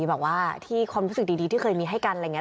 บอกว่าที่ความรู้สึกดีที่เคยมีให้กันอะไรอย่างนี้